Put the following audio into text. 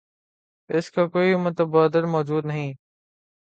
اس کا کوئی متبادل موجود نہیں۔